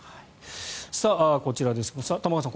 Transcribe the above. こちらですが、玉川さん